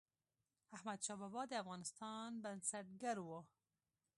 احمدشاه بابا د افغانستان بنسټګر و.